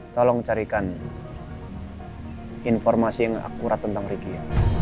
tolong carikan informasi yang akurat tentang riki